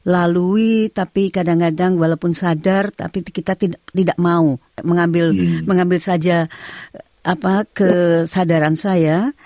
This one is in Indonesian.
lalui tapi kadang kadang walaupun sadar tapi kita tidak mau mengambil saja kesadaran saya